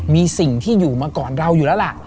มีสิ่งที่อยู่มาก่อนเราอยู่แล้วล่ะ